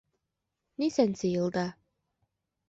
Нисәнсе йылда?